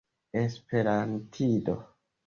esperantido